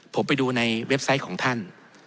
ผมไปดูในเว็บไซต์ของท่าน